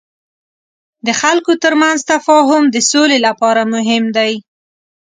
د خلکو ترمنځ تفاهم د سولې لپاره مهم دی.